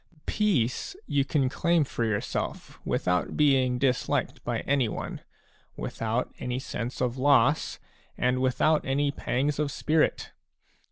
Peace you can claim for yourself without being disliked by anyone, without any sense of loss, and without any pangs of spirit.